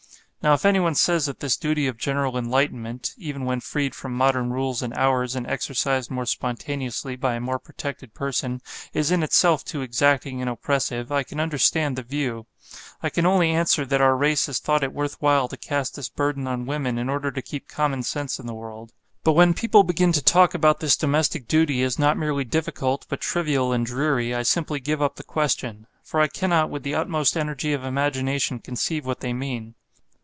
Now if anyone says that this duty of general enlightenment (even when freed from modern rules and hours, and exercised more spontaneously by a more protected person) is in itself too exacting and oppressive, I can understand the view. I can only answer that our race has thought it worth while to cast this burden on women in order to keep common sense in the world. But when people begin to talk about this domestic duty as not merely difficult but trivial and dreary, I simply give up the question. For I cannot with the utmost energy of imagination conceive what they mean.